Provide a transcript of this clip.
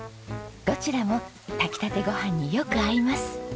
どちらも炊きたてご飯によく合います。